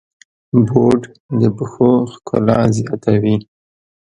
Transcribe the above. بوټ د پښو ښکلا زیاتوي.